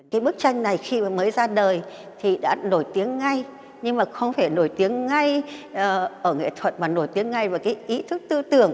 cái bức tranh này khi mà mới ra đời thì đã nổi tiếng ngay nhưng mà không phải nổi tiếng ngay ở nghệ thuật mà nổi tiếng ngay vào cái ý thức tư tưởng